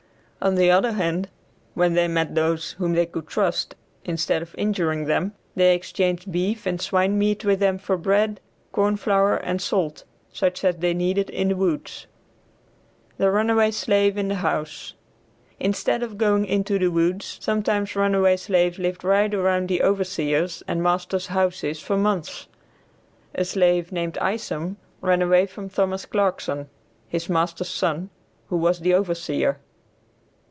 On the other hand when they met those whom they could trust, instead of injuring them, they exchanged beef and swine meat with them for bread, corn flour, and salt, such as they needed in the woods. THE RUNAWAY SLAVES IN THE HOUSE. Instead of going into the woods, sometimes runaway slaves lived right around the overseer's and master's houses for months. A slave, named Isom, ran away from Thomas Clarkson, his master's son, who was the overseer.